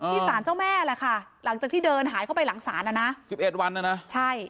สารเจ้าแม่แหละค่ะหลังจากที่เดินหายเข้าไปหลังศาลน่ะนะ๑๑วันนะนะใช่